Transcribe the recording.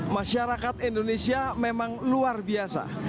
masyarakat indonesia memang luar biasa